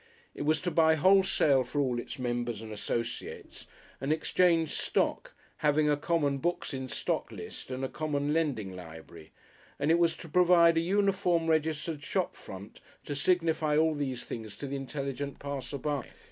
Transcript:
It was to buy wholesale for all its members and associates and exchange stock, having a common books in stock list and a common lending library, and it was to provide a uniform registered shop front to signify all these things to the intelligent passer by.